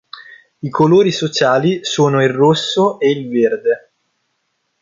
I colori sociali sono il rosso e il verde.